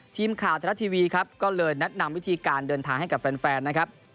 ทีมข่าวเทลาทีวีก็เลยนัดนำวิธีการเดินทางให้กับแฟน